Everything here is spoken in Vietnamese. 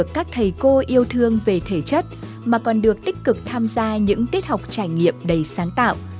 các thầy cô yêu thương về thể chất mà còn được tích cực tham gia những tiết học trải nghiệm đầy sáng tạo